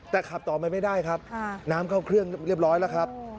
แต่ขับต่อไปไม่ได้ครับน้ำเข้าเครื่องเรียบร้อยแล้วครับ